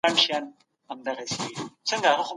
پخوا خلګو په ارامه فضا کې ازاد فکر کاوه.